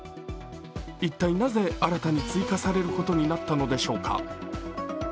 一体なぜ新たに追加されることになったのでしょうか。